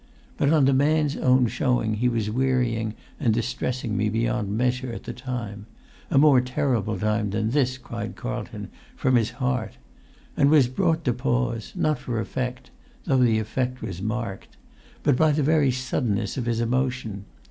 But on the man's own showing he was wearying and distressing me beyond measure at the time—a more terrible time than this!" cried Carlton from his heart; and was brought to pause, not for effect (though the effect was marked) but by the very suddenness of his emotion.